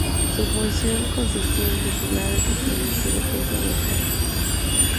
Su función consistía en vigilar el cumplimiento y defensa del fuero.